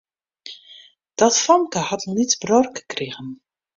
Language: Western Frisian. Dat famke hat in lyts bruorke krigen.